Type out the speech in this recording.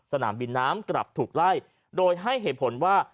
สนามบินน้ำกลับถูกไล่โดยให้เหตุผลว่า